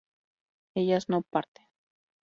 ellas no parten